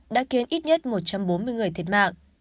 đã khiến ít nhất một trăm bốn mươi người thiệt mạng